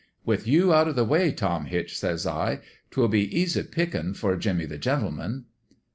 "* With you out o' the way, Tom Hitch/ says I, ' 'twill be easy pickin' for Jimmie the Gentle man.'